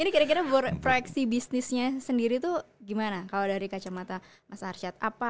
ini kira kira proyeksi bisnisnya sendiri itu gimana kalau dari kacamata mas arsyad